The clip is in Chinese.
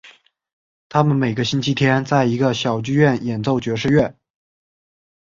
他们每个星期天在一个小剧院演奏爵士乐。